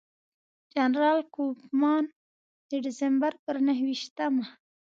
جنرال کوفمان د ډسمبر پر نهه ویشتمه.